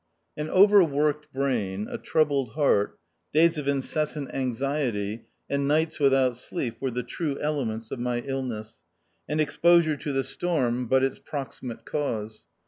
An overworked brain, a troubled heart, days of incessant anxiety, and nights with out sleep were the true elements of my illness, and exposure to the storm but its proximate cause.